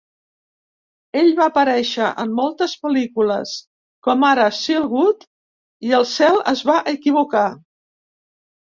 Ell va aparèixer en moltes pel·lícules, com ara "Silkwood" i "El Cel es va equivocar".